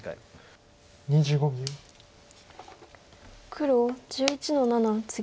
黒１１の七ツギ。